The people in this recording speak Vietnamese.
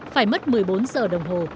phải mất một mươi bốn giờ đồng hồ